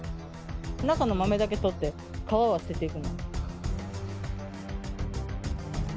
中の豆だけ取って、皮は捨てていく。